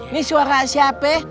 nih suara siapa